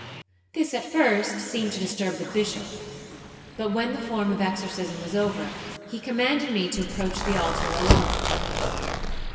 This, at first, seemed to disturb the Bishop; but when the form of exorcism was over, he commanded me to approach the altar alone.